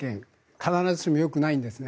必ずしもよくないんですね。